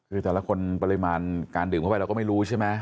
คือแต่ละคนปริมาณการดื่มเข้าไปเราก็ไม่รู้ใช่ไหม